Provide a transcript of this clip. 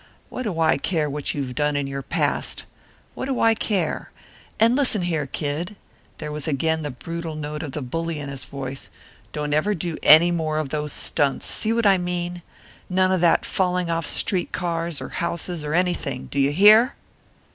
"What do I care what you've done in your past what do I care? And listen here, Kid" There was again the brutal note of the bully in his voice "don't ever do any more of those stunts see what I mean? None of that falling off streetcars or houses or anything. Do you hear?"